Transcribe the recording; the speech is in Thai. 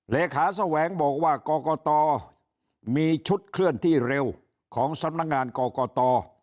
เลขาแสวงบอกว่ากรกตมีชุดเคลื่อนที่เร็วของสำนักงานกรกต